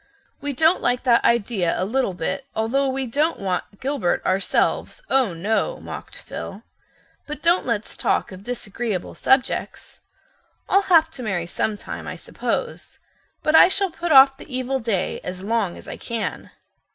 "We don't like that idea a little bit, although we don't want Gilbert ourselves, oh, no," mocked Phil. "But don't let's talk of disagreeable subjects. I'll have to marry sometime, I suppose, but I shall put off the evil day as long as I can."